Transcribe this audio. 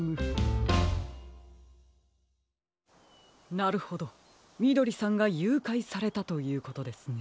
なるほどみどりさんがゆうかいされたということですね。